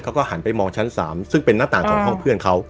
เขาก็หันไปมองชั้น๓ซึ่งเป็นหน้าต่างของห้องเพื่อนเขา